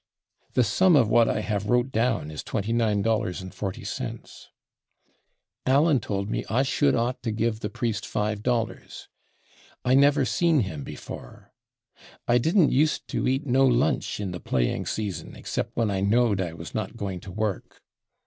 The sum of what I have /wrote/ down is $29.40.... Allen told me I /should ought/ to give the priest $5.... I never /seen/ him before.... I didn't used to eat /no/ lunch in the playing season except when I /knowed/ I was not going to work....